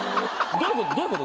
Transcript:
どういうこと？